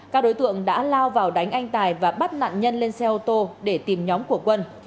các đối tượng đã lao vào đánh anh tài và bắt nạn nhân lên xe ô tô để tìm nhóm của quân